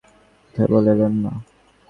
পরেশ ইহার পরে আর কোনো কথাই বলিলেন না।